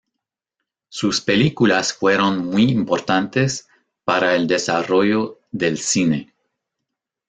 Sus películas fueron muy importantes para el desarrollo del cine.